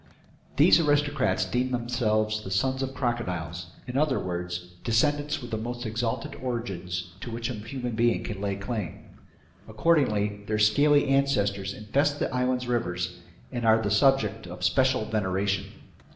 These aristocrats deem themselves the sons of crocodiles, in other words, descendants with the most exalted origins to which a human being can lay claim. Accordingly, their scaly ancestors infest the island's rivers and are the subjects of special veneration.